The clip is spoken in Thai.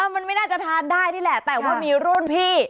มันไม่น่าจะทานได้นี่แหละแต่ว่ามีรุ่นพี่